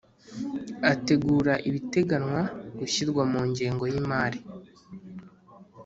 Ategura ibiteganywa gushyirwa mu ngengo y’imari